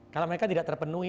kalau mereka tidak terpenuhi